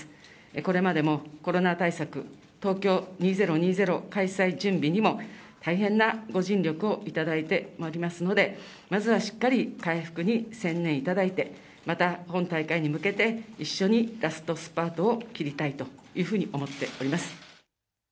これまでもコロナ対策、東京２０２０開催準備にも、大変なご尽力をいただいておりますので、まずはしっかり回復に専念いただいて、また今大会に向けて、一緒にラストスパートを切りたいというふうに思っております。